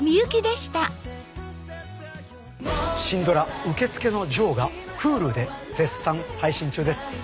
シンドラ『受付のジョー』がＨｕｌｕで絶賛配信中です。